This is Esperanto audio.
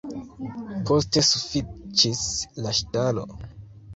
Poste sufiĉis la ŝtalo.